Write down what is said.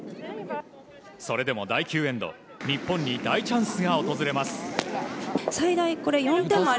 それでも第９エンド日本に大チャンスが訪れます。